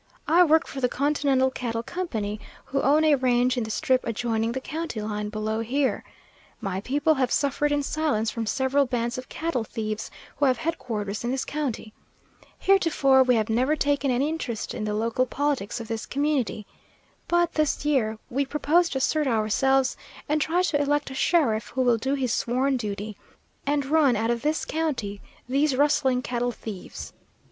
"I work for the Continental Cattle Company, who own a range in the strip adjoining the county line below here. My people have suffered in silence from several bands of cattle thieves who have headquarters in this county. Heretofore we have never taken any interest in the local politics of this community. But this year we propose to assert ourselves, and try to elect a sheriff who will do his sworn duty, and run out of this county these rustling cattle thieves.